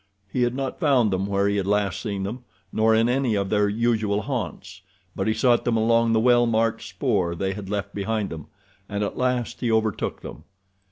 He had not found them where he had last seen them, nor in any of their usual haunts; but he sought them along the well marked spoor they had left behind them, and at last he overtook them.